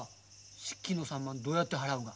敷金の３万どうやって払うが？